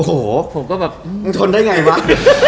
โอ้โหมันทนได้ไงบ้าง